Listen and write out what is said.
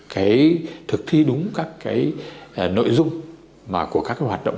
cái thực thi đúng các cái nội dung mà của các hoạt động ngân hàng